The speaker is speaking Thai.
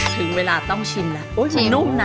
ถึงเวลาต้องชินแล้วโอ้ยนุ่มนะนุ่มครับนุ่มระวังร้อน